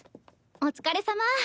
お疲れさま。